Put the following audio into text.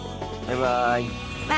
バイバイ。